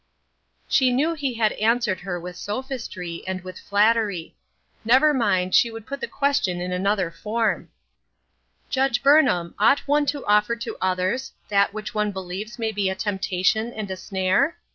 She knew he had answered her with sophistry, and with flattery. Never mind, she would put the question in another form :— "Judge Burnham, ought one to offer to others that which one believes may be a temptation and a snare